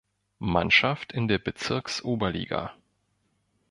Mannschaft in der Bezirksoberliga.